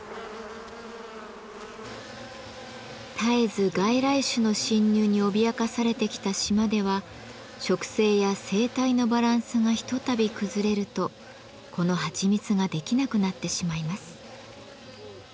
絶えず外来種の侵入に脅かされてきた島では植生や生態のバランスがひとたび崩れるとこのはちみつができなくなってしまいます。